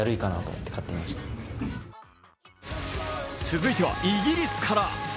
続いてはイギリスから。